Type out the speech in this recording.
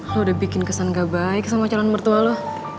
lo udah bikin kesan gak baik sama calon mertua lo